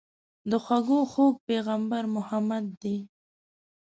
د خوږو خوږ پيغمبر محمد دي.